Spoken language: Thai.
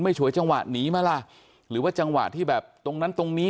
ฉวยจังหวะหนีมาล่ะหรือว่าจังหวะที่แบบตรงนั้นตรงนี้